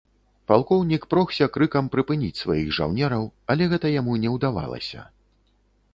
Палкоўнік прогся крыкам прыпыніць сваіх жаўнераў, але гэта яму не удавалася.